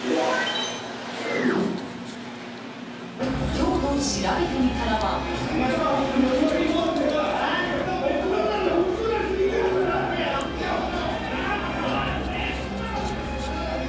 今日のしらべてみたらは。